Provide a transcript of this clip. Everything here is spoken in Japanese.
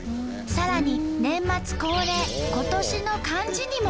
さらに年末恒例「今年の漢字」にも。